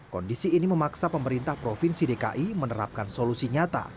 kondisi ini memaksa pemerintah provinsi dki menerapkan solusi nyata